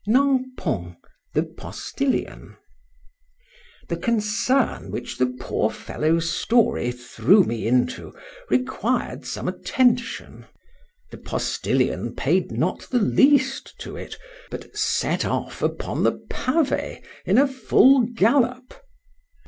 — NAMPONT. THE POSTILION. THE concern which the poor fellow's story threw me into required some attention; the postilion paid not the least to it, but set off upon the pavé in a full gallop.